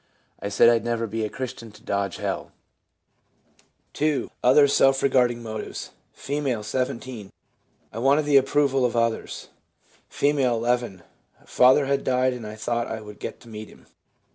I said I'd never be a Christian to dodge hell/ 2. Other self regarding motives. — R, 17. * I wanted the approval of others/ F., 11. ' Father had died and I thought I would get to meet him/ M.